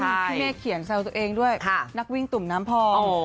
พี่เมฆเขียนแซวตัวเองด้วยนักวิ่งตุ่มน้ำพอง